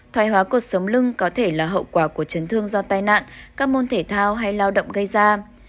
năm thoài hóa cột sống lưng có thể là hậu quả của chấn thương do tai nạn các môn thể thao hay lao động gây ra